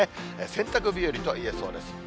洗濯日和と言えそうです。